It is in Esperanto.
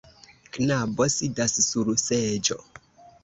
Knabo sidas sur seĝo.